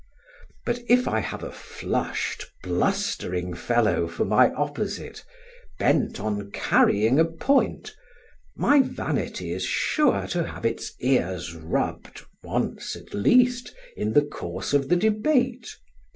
But if I have a flushed, blustering fellow for my opposite, bent on carrying a point, my vanity is sure to have its ears rubbed, once at least, in the course of the debate.